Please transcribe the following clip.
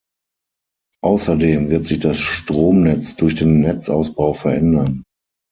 Außerdem wird sich das Stromnetz durch den Netzausbau verändern.